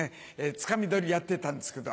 つかみ取りやってたんですけど。